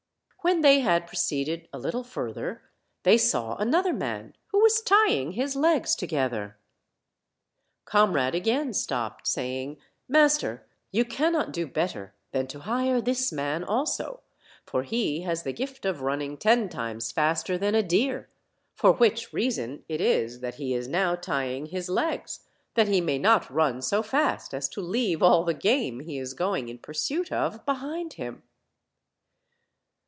When they had proceeded a little further they saw another man, who was tying his legs together. Coin Tade again stopped, saying: "Master, you cannot do bet OLD, OLD FAIRY TALES. 85 ter than to hire this man also; for he has the gift of run ning ten times faster than a deer; for which reason it is that he is now tying his legs, that he may not run so fast as to leave all the game he is going in pursuit of behind him."